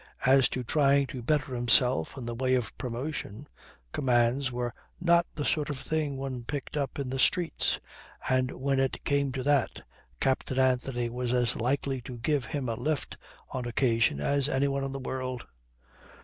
As to trying to better himself in the way of promotion, commands were not the sort of thing one picked up in the streets, and when it came to that, Captain Anthony was as likely to give him a lift on occasion as anyone in the world.